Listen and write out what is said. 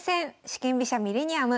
四間飛車ミレニアム」